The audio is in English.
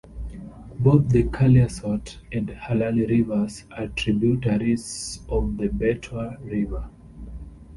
Both the Kaliasot and Halali Rivers are tributaries of the Betwa River.